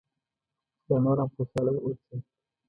چې لا نور هم خوشاله واوسې.